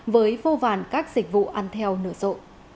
với vô vàn các dịch vụ ăn theo nở rộ